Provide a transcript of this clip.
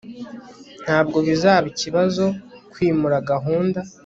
ntabwo bizaba ikibazo kwimura gahunda